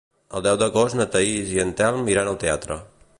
El deu d'agost na Thaís i en Telm iran al teatre.